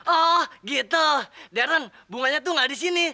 oh gitu darren bunganya tuh gak disini